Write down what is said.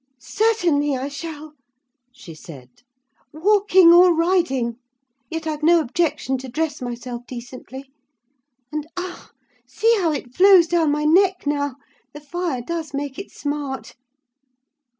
"Certainly I shall," she said; "walking or riding: yet I've no objection to dress myself decently. And—ah, see how it flows down my neck now! The fire does make it smart."